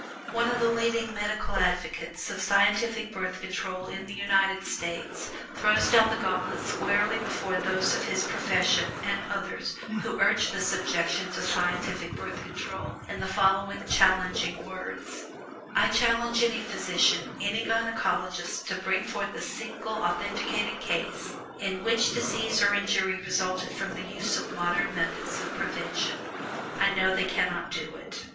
One of the leading medical advocates of scientific Birth Control in the United States throws down the gauntlet squarely before those of his profession, and others, who urge this objection to scientific Birth Control, in the following challenging words: "I challenge any physician, any gynecologist, to bring forth A SINGLE AUTHENTICATED CASE in which disease or injury resulted from the use of modern methods of prevention. I know they cannot do it."